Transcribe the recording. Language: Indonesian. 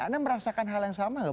anda merasakan hal yang sama nggak